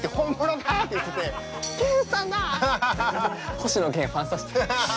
星野源ファンサして。